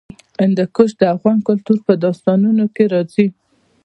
هندوکش د افغان کلتور په داستانونو کې راځي.